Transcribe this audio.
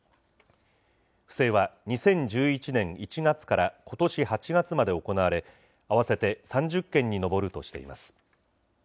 不正は２０１１年１月からことし８月まで行われ、合わせて３０件に上るとしています。